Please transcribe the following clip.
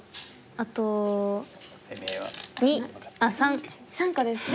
あっ３。３個ですね。